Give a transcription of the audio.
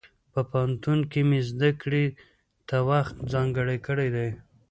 په پوهنتون کې مې زده کړې ته وخت ځانګړی کړی دی.